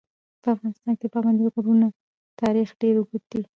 په افغانستان کې د پابندي غرونو تاریخ ډېر اوږد دی.